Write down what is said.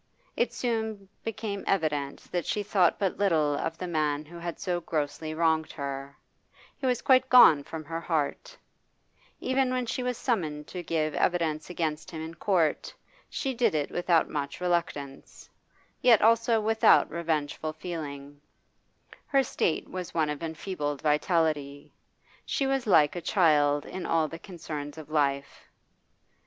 It soon became evident that she thought but little of the man who had so grossly wronged her; he was quite gone from her heart Even when she was summoned to give evidence against him in court, she did it without much reluctance, yet also without revengeful feeling; her state was one of enfeebled vitality, she was like a child in all the concerns of life.